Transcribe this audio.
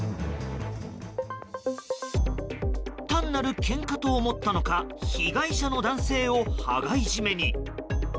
単なるけんかと思ったのか被害者の男性を羽交い締めに。